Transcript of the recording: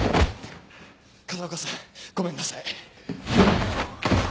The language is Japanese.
風岡さんごめんなさい。